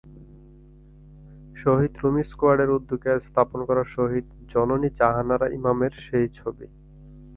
শহীদ রুমী স্কোয়াডের উদ্যোগে স্থাপন করা শহীদজননী জাহানারা ইমামের সেই ছবি।